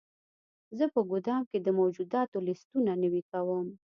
زه په ګدام کې د موجوداتو لیستونه نوي کوم.